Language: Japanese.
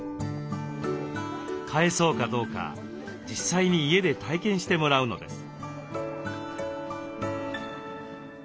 飼えそうかどうか実際に家で体験してもらうのです。